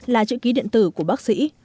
là chữ ký điện tử của bác sĩ